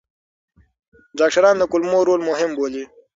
ډاکټران د کولمو رول مهم بولي.